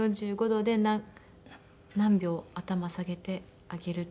４５度で何秒頭下げて上げる。